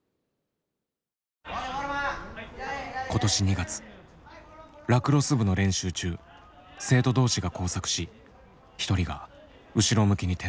今年２月ラクロス部の練習中生徒同士が交錯し一人が後ろ向きに転倒。